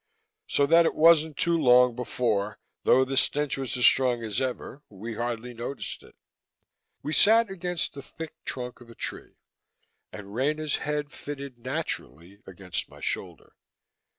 So that it wasn't too long before, though the stench was as strong as ever, we hardly noticed it. We sat against the thick trunk of a tree, and Rena's head fitted naturally against my shoulder.